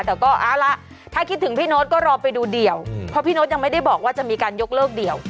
แต่ก็เอาละถ้าคิดถึงพี่โน๊ตก็รอไปดูเดี่ยวเพราะพี่โน๊ตยังไม่ได้บอกว่าจะมีการยกเลิกเดี่ยว